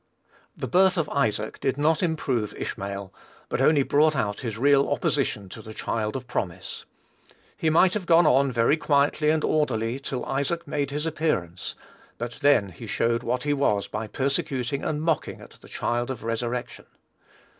The birth of Isaac did not improve Ishmael, but only brought out his real opposition to the child of promise. He might have gone on very quietly and orderly till Isaac made his appearance; but then he showed what he was by persecuting and mocking at the child of resurrection.